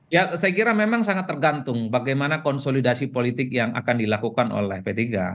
ya saya kira memang sangat tergantung bagaimana konsolidasi politik yang akan dilakukan oleh p tiga